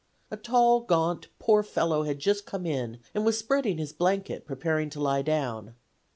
A tall, gaunt, poor fellow had just come in and was spreading his blanket, preparing to lie down.